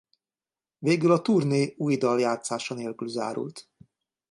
Végül a turné új dal játszása nélkül zárult.